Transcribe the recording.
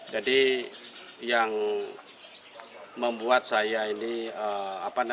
jadi yang membuat saya ini ikut